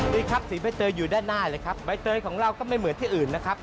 นี่ครับสีใบเตยอยู่ด้านหน้าเลยครับใบเตยของเราก็ไม่เหมือนที่อื่นนะครับ